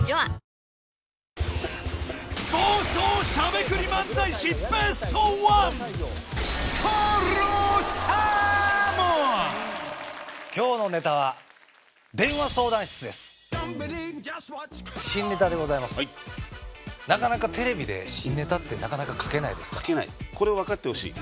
ベストワン今日のネタはなかなかテレビで新ネタってなかなか書けないですから書けないこれを分かってほしい